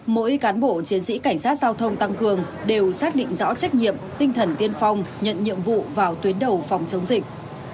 mỗi cán bộ chiến sĩ cảnh sát giao thông tăng cường đều xác định rõ trách nhiệm tinh thần tiên phong nhận nhiệm vụ vào tuyến đầu phòng chống dịch